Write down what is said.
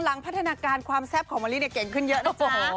พัฒนาการความแซ่บของมะลิเนี่ยเก่งขึ้นเยอะนะจ๊ะ